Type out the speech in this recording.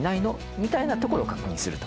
みたいなところを確認すると。